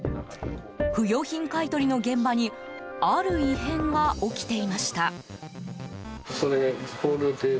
不用品買い取りの現場にある異変が起きていました。